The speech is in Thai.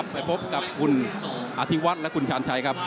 ไปพบกับคุณอธิวัฒน์และคุณชาญชัยครับ